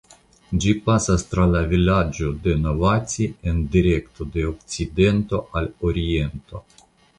Ĝi pasas tra la vilaĝo de Novaci en direkto de okcidento al oriento.